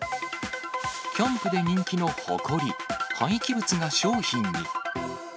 キャンプで人気のホコリ、廃棄物が商品に。